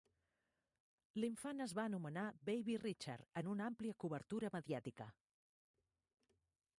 L'infant es va anomenar "Baby Richard" en una amplia cobertura mediàtica.